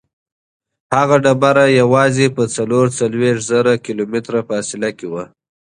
هغه تیږه یوازې په څلور څلوېښت زره کیلومتره فاصله کې وه.